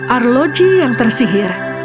arloji yang tersihir